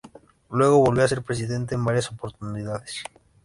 Luego volvió a ser presidente en varias oportunidades.